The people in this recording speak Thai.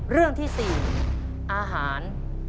เรื่องที่๔อาหาร